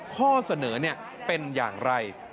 ข้อเสนอเป็นอย่างไร